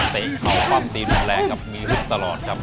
เตะเข่าความตีหนึ่งแรงกลับมีฮึกตลอดครับ